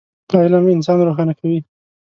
علم انسان روښانه کوي.